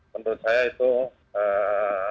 menurut saya itu ee